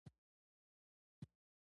آیا د میرات پاتې کیدل بد نه ګڼل کیږي؟